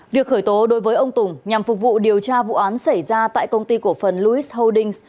việc khởi tố đối với ông tùng nhằm phục vụ điều tra vụ án xảy ra tại công ty cổ phần louis holdings